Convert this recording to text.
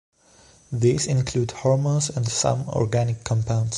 These include hormones and some organic compounds.